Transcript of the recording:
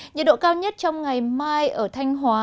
nhiệt độ cao nhất trong ngày mai ở thanh hóa